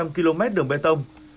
hai năm trăm linh km đường bê tông